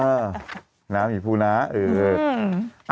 อ้าวนะหมีภูนะเออ